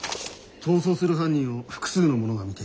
逃走する犯人を複数の者が見ています。